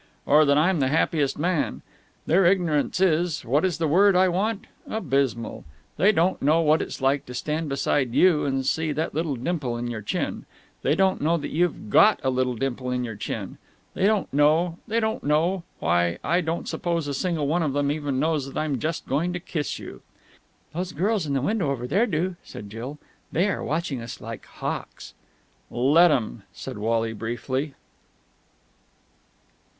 "Or that I'm the happiest man! Their ignorance is what is the word I want? Abysmal. They don't know what it's like to stand beside you and see that little dimple in your chin.... They don't know you've got a little dimple in your chin.... They don't know.... They don't know.... Why, I don't suppose a single one of them even knows that I'm just going to kiss you!" "Those girls in that window over there do," said Jill. "They are watching us like hawks." "Let 'em!" said Wally briefly.